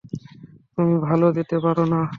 তুমি তাল দিতে পারো না।